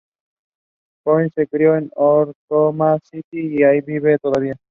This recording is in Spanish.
Coyne se crio en Oklahoma City y vive allí todavía.